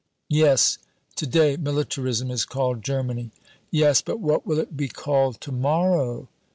"Yes. To day militarism is called Germany." "Yes, but what will it be called to morrow?"